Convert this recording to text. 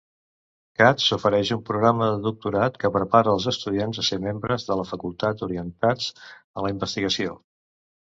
Katz ofereix un programa de doctorat que prepara els estudiants a ser membres de la facultat orientats a la investigació.